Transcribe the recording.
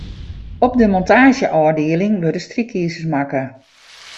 Op de montaazjeôfdieling wurde strykizers makke.